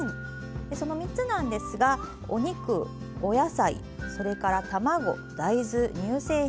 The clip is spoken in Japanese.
その３つなんですがお肉お野菜それから卵・大豆・乳製品。